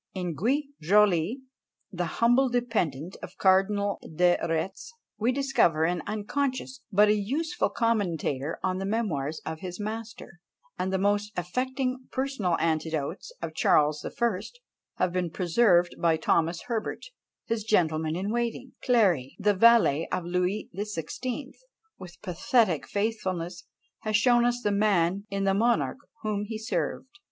In Gui Joly, the humble dependant of Cardinal de Retz, we discover an unconscious but a useful commentator on the memoirs of his master; and the most affecting personal anecdotes of Charles the First have been preserved by Thomas Herbert, his gentleman in waiting; Cléry, the valet of Louis the Sixteenth, with pathetic faithfulness, has shown us the man in the monarch whom he served!